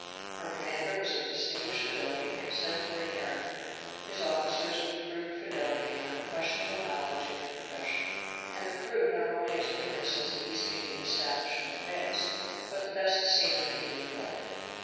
Her commander was of distinguished ability and exemplary character; his officers of approved fidelity and unquestionable knowledge in their profession, and the crew not only as numerous as the East India establishment admits, but the best seamen that could be collected.